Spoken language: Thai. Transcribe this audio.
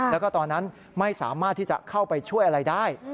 แล้วก็ตอนนั้นไม่สามารถที่จะเข้าไปช่วยอะไรได้